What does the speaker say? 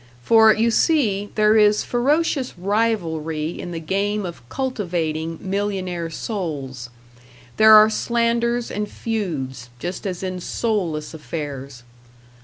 For, you see, there is ferocious rivalry in the game of cultivating millionaire souls; there are slanders and feuds, just as in soulless affairs.